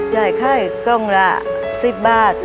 ใหญ่แค้วกล่องละสิบบาท